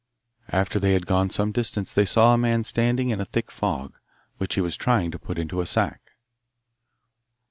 After they had gone some distance they saw a man standing in a thick fog, which he was trying to put into a sack.